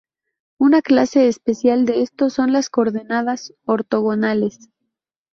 Una clase especial de estos son las coordenadas ortogonales.